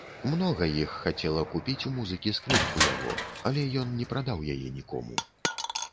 Многа іх хацела купіць у музыкі скрыпку яго, але ён не прадаў яе нікому.